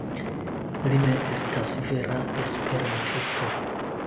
Li ne estas vera esperantisto